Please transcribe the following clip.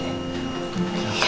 kita disini dulu ya pak